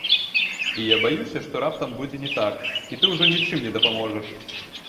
І я баюся, што раптам будзе не так, і ты ўжо нічым не дапаможаш.